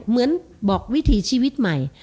เหมือนบอกวิถีชีวิตใหม่